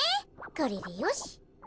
これでよし。